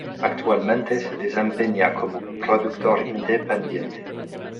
Actualmente se desempeña como productor independiente.